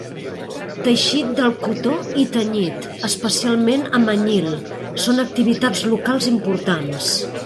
Teixit del cotó i tenyit, especialment amb anyil, són activitats locals importants.